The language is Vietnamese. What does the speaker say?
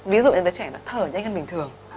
ví dụ đứa trẻ nó thở nhanh hơn bình thường